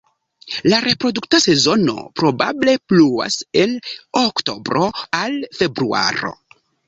La reprodukta sezono probable pluas el oktobro al februaro.